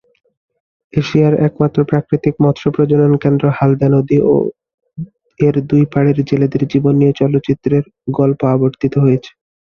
এশিয়ার একমাত্র প্রাকৃতিক মৎস প্রজনন কেন্দ্র হালদা নদী ও এর দুই পাড়ের জেলেদের জীবন নিয়ে চলচ্চিত্রের গল্প আবর্তিত হয়েছে।